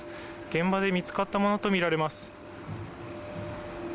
現場で見つかったものとみられます。